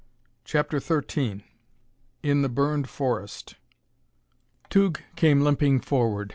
CHAPTER XIII In the Burned Forest Tugh came limping forward.